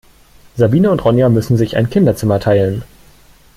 Sabine und Ronja müssen sich ein Kinderzimmer teilen.